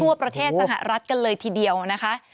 ทั่วประเทศสหรัฐกันเลยทีเดียวนะคะ